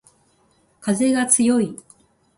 かぜがつよい